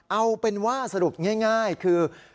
เอาเป็นว่าสรุปง่ายคือ